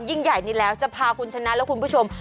ยิ่งใหญ่นี้แล้วจะพาคุณชนะและคุณผู้ชม